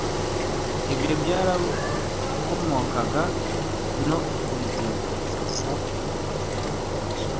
ibyo byarabokamaga no kuzageza mu ngo zabo